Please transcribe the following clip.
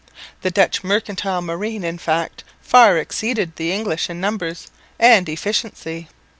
The Dutch mercantile marine in fact far exceeded the English in numbers and efficiency.